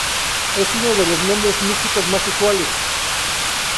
Es uno de los nombre místicos más usuales.